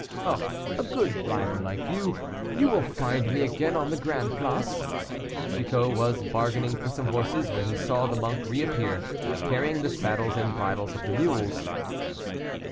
"Oh! a good rider like you. You will find me again on the Grand Place." Chicot was bargaining for some horses, when he saw the monk reappear, carrying the saddles and bridles of the mules.